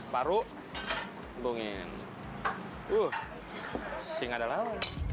paru bungin uh singa dalau